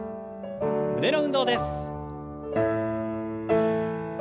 胸の運動です。